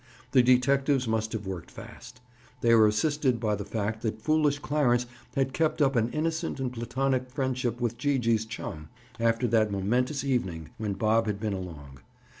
The detectives must have worked fast. They were assisted by the fact that foolish Clarence had kept up an innocent and Platonic friendship with "Gee gee's" chum, after that momentous evening when Bob had been along.